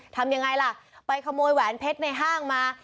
ทำยังไงล่ะไปขโมยแหวนเพชรในห้างมา